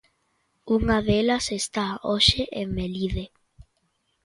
Unha delas está hoxe en Melide.